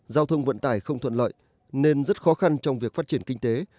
sông vận tải không thuận lợi nên rất khó khăn trong việc phát triển kinh tế